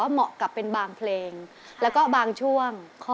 เหมาะกับเป็นบางเพลงแล้วก็บางช่วง